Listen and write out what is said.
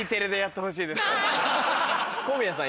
小宮さん